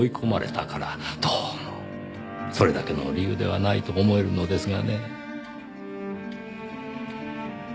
どうもそれだけの理由ではないと思えるのですがね。